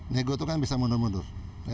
nego itu kan bisa mundur mundur